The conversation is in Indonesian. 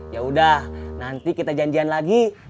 ya udah nanti kita janjian lagi